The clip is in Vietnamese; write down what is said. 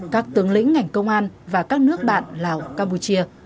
các tướng lĩnh ngành công an và các nước bạn lào campuchia